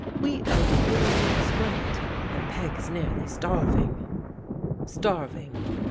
We owe three weeks' rent, and Peg is nearly starving." " Starving